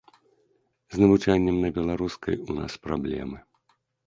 З навучаннем на беларускай у нас праблемы.